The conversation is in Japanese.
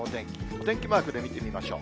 お天気マークで見てみましょう。